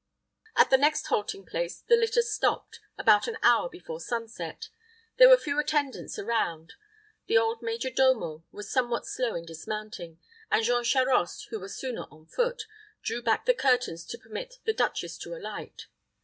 At the next halting place the litter stopped, about an hour before sunset. There were few attendants around; the old major domo was somewhat slow in dismounting, and Jean Charost, who was sooner on foot, drew back the curtains to permit the duchess to alight.